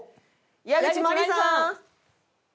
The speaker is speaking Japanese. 矢口真里さん！